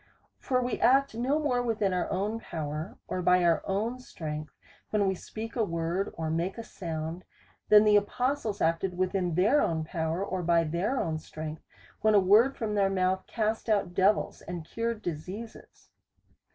For we act no more within our own power, or by our own strength, when we speak a word, or make a sound, than the apostles acted within their own power, or by their own strength, when a word from their mouth cast out devils, and cured diseases.